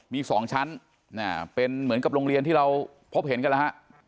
มี๒ชั้นเป็นเหมือนกับโรงเรียนที่เราพบเห็นกันแล้วฮะ